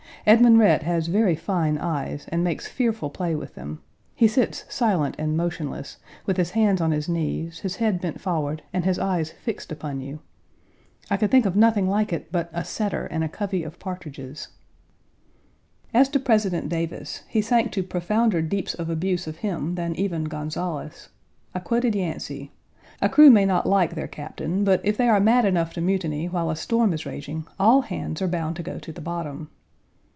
Edmund Rhett has very fine eyes and makes fearful play with them. He sits silent and motionless, with his hands on his knees, his head bent forward, and his eyes fixed upon you. I could think of nothing like it but a setter and a covey of partridges. As to President Davis, he sank to profounder deeps of abuse of him than even Gonzales. I quoted Yancey: "A Page 151 crew may not like their captain, but if they are mad enough to mutiny while a storm is raging, all hands are bound to go to the bottom."